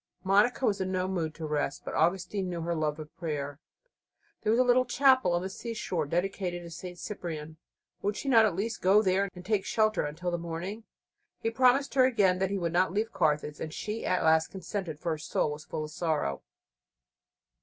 Monica was in no mood to rest; but Augustine knew her love of prayer. There was a little chapel on the seashore, dedicated to St. Cyprian. Would she not at least go there and take shelter until the morning? He promised her again that he would not leave Carthage, and she at last consented, for her soul was full of sorrow.